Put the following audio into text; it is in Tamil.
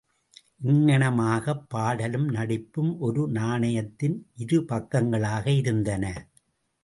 இங்ஙனமாகப் பாடலும் நடிப்பும் ஒரு நாணயத்தின் இருபக்கங்களாக இருந்தன.